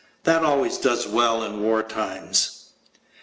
That always does well in war times.